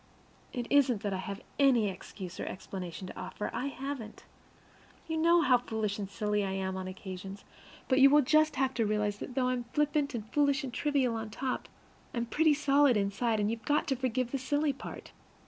It isn't that I have any excuse or explanation to offer; I haven't. You know how foolish and silly I am on occasions, but you will just have to realize that though I'm flippant and foolish and trivial on top, I am pretty solid inside; and you've got to forgive the silly part.